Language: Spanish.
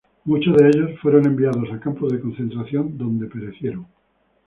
Muchos de ellos fueron enviados a campos de concentración donde perecieron.